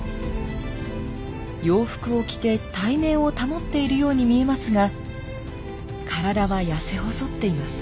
洋服を着て体面を保っているように見えますが体はやせ細っています。